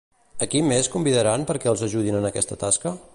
A qui més convidaran perquè els ajudin en aquesta tasca?